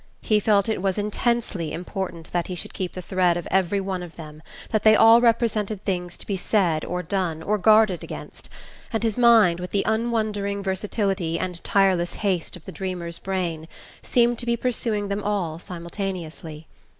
He felt it was intensely important that he should keep the thread of every one of them, that they all represented things to be said or done, or guarded against; and his mind, with the unwondering versatility and tireless haste of the dreamer's brain, seemed to be pursuing them all simultaneously.